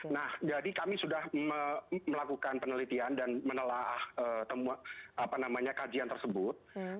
nah jadi kami sudah melakukan penelitian dan menelah kajian tersebut